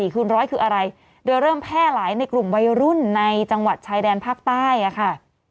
คูณร้อยคืออะไรโดยเริ่มแพร่หลายในกลุ่มวัยรุ่นในจังหวัดชายแดนภาคใต้ค่ะ